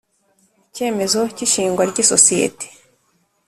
Icyemezo cy ishingwa ry isosiyete